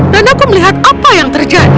dan aku melihat apa yang terjadi